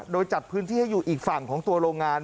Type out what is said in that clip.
โดยจัดพื้นที่ให้อยู่อีกฝั่งของตัวโรงงาน